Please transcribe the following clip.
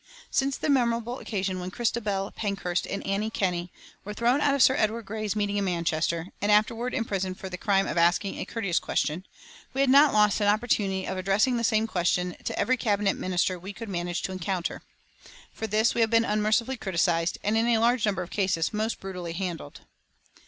Since the memorable occasion when Christabel Pankhurst and Annie Kenney were thrown out of Sir Edward Grey's meeting in Manchester, and afterward imprisoned for the crime of asking a courteous question, we had not lost an opportunity of addressing the same question to every Cabinet Minister we could manage to encounter. For this we have been unmercifully criticised, and in a large number of cases most brutally handled.